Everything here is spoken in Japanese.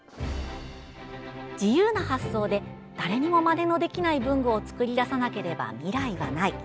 自由な発想で誰にも、まねのできない文具を作り出さなければ未来はない。